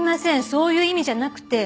そういう意味じゃなくて。